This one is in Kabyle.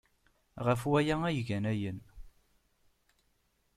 Ɣef waya ay gan ayen.